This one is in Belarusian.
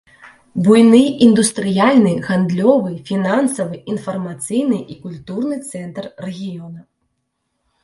Буйны індустрыяльны, гандлёвы, фінансавы, інфармацыйны і культурны цэнтр рэгіёна.